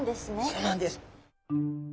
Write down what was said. そうなんです。